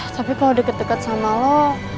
tapi kalau deket deket sama lo